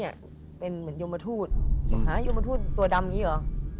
แล้วอันก็แบบตัวอะไรอะ